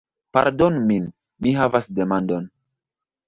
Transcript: Pardonu min, mi havas demandon